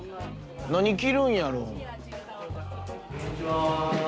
何着るんやろ？